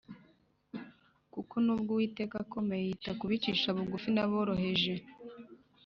“kuko nubwo uwiteka akomeye, yita ku bicisha bugufi n’aboroheje”